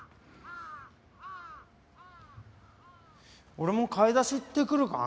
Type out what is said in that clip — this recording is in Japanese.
俺も買い出し行ってくるかな。